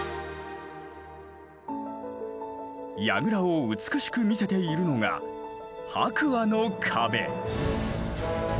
櫓を美しく見せているのが白亜の壁。